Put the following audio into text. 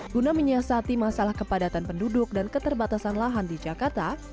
guna menyiasati masalah kepadatan penduduk dan keterbatasan lahan di jakarta